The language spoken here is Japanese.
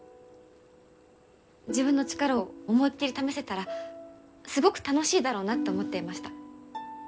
自分の力を思いっきり試せたらすごく楽しいだろうなって思っていました。